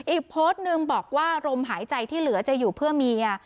อีกโพสต์หนึ่งบอกว่าลมหายใจที่เหลือจะอยู่เพื่อเมีย